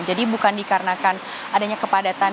bukan dikarenakan adanya kepadatan